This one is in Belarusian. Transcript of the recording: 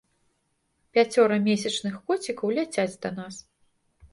Пяцёра месячных коцікаў ляцяць да нас.